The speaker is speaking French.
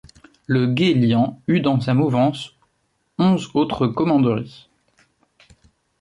Le Gué-Lian eut dans sa mouvance onze autres commanderies.